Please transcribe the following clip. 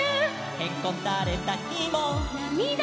「へこたれたひも」「なみだふいても」